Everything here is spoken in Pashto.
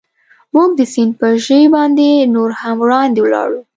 موږ د سیند پر ژۍ باندې نور هم وړاندې ولاړو.